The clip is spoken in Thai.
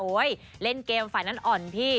เล่นเกมฝ่ายนั้นอ่อนพี่